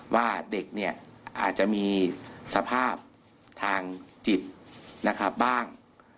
ว่าเด็กอาจจะมีสภาพทางจิตบ้าง